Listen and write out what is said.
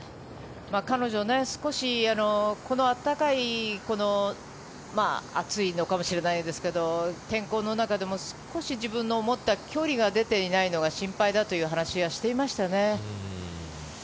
彼女、少しこの暖かい暑いのかもしれないですけど天候の中でも少し自分の思った距離が出ていないのが心配だという話はしていましたね。